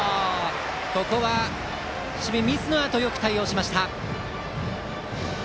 ここは守備ミスのあとよく対応しました。